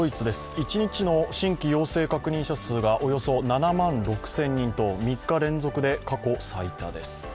一日の新規陽性確認者数がおよそ７万６０００人と３日連続で過去最多です。